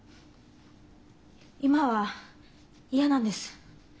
今は嫌なんです。